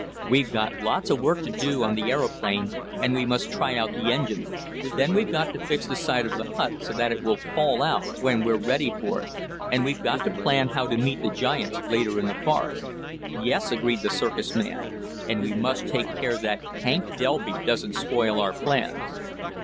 "We've got lots of work to do on the aeroplane, and we must try out the engine. Then we've got to fix the side of the hut so it will fall out when we're ready for it. And we've got to plan how to meet the giants later in the forest." "Yes," agreed the circus man, "and we must take care that Hank Delby doesn't spoil our plans."